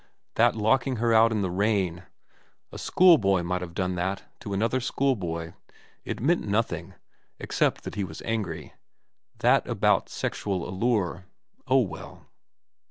That locking her out in the rain, a schoolboy might have done that to another schoolboy. It meant nothing, except that he was angry. That about sexual allure oh, well.